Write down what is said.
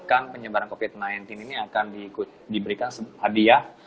akan penyebaran covid sembilan belas ini akan diberikan hadiah